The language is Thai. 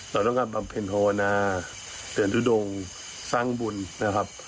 เราต้องการบำเพ็ญภาวนาเตือนทุดงสร้างบุญนะครับ